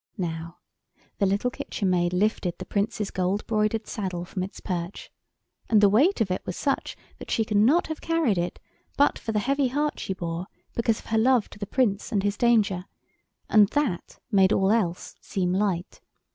Now the little Kitchen Maid lifted the Prince's gold broidered saddle from its perch, and the weight of it was such that she could not have carried it but for the heavy heart she bore because of her love to the Prince and his danger, and that made all else seem light.